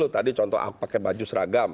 tadi contoh pakai baju seragam